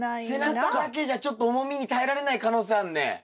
背中だけじゃちょっと重みに耐えられない可能性あんね。